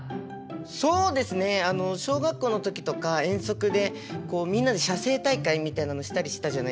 そうですね小学校の時とか遠足でみんなで写生大会みたいなのしたりしたじゃないですか。